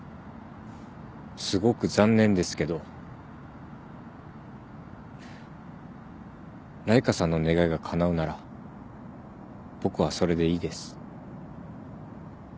すごく残念ですけどライカさんの願いがかなうなら僕はそれでいいです。